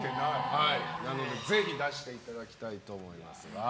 なので、ぜひ出していただきたいと思いますが。